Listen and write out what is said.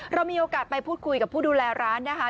เรามีโอกาสไปพูดคุยกับผู้ดูแลร้านนะคะ